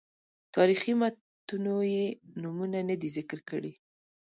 تاریخي متونو یې نومونه نه دي ذکر کړي.